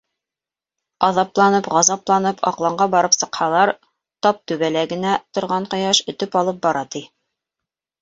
Аҙапланып-ғазапланып аҡланға барып сыҡһалар, тап түбәлә генә торған ҡояш өтөп алып бара, ти.